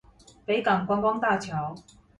北港觀光大橋